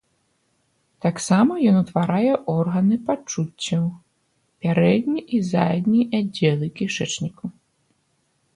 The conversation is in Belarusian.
Таксама ён утварае органы пачуццяў, пярэдні і задні аддзелы кішэчніка.